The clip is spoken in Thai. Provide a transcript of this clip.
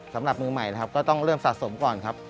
สำหรับมือใหม่นะครับก็ต้องเริ่มสะสมก่อนครับ